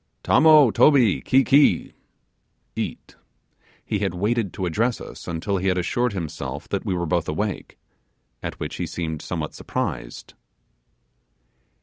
'Tommo, Toby, ki ki!' (eat). He had waited to address us, until he had assured himself that we were both awake, at which he seemed somewhat surprised.